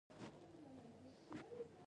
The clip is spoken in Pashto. د نقد پر وړاندې نه د بل اوري.